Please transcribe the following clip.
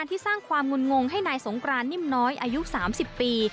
ที่สร้างความงุนงงให้นายสงกรานนิ่มน้อยอายุ๓๐ปี